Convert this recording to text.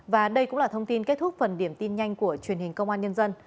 và đây cũng là thông tin kết thúc phần điểm tin nhanh của truyền hình công an nhân dân